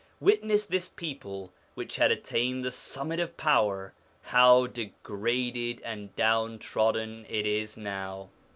Witness this people which had attained the summit of power, how degraded and downtrodden it is now.